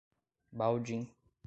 Baldim